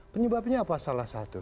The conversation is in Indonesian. penyebabnya apa salah satu